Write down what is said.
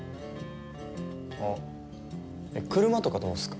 あっ車とかどうっすか？